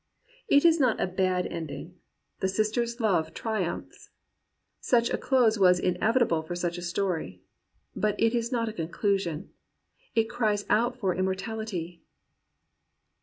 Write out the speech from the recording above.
It is not a "bad ending." The sister's love tri umphs. Such a close was inevitable for such a story. But it is not a conclusion. It cries out for immortality.